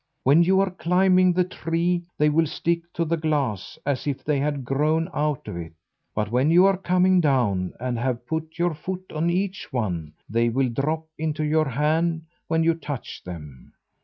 When you are climbing the tree, they will stick to the glass as if they had grown out of it; but when you are coming down, and have put your foot on each one, they will drop into your hand when you touch them.